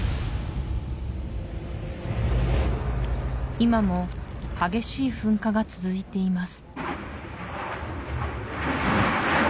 今も激しい噴火が続いています